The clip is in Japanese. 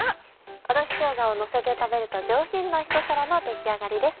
おろししょうがをのせて食べると上品な一皿の出来上がりです。